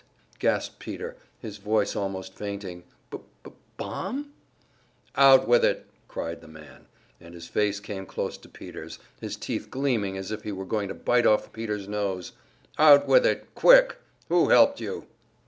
gasped Peter, his voice almost fainting. "B b bomb?" "Out with it!" cried the man, and his face came close to Peter's, his teeth gleaming as if he were going to bite off Peter's nose. "Out with it! Quick! Who helped you?"